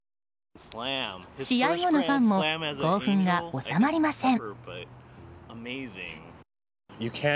試合後のファンも興奮が収まりません。